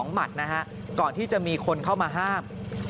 หมัดนะฮะก่อนที่จะมีคนเข้ามาห้าม